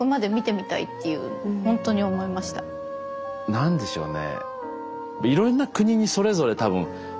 何でしょうね。